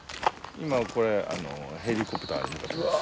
今これヘリコプターに向かってます。